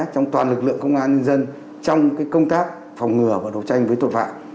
trong toàn lực lượng công an nhân dân trong công tác phòng ngừa và đấu tranh với tội phạm